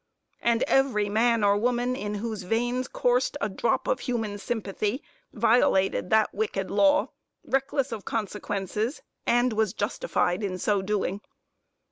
And every man or woman in whose veins coursed a drop of human sympathy violated that wicked law, reckless of consequences, and was justified in so doing.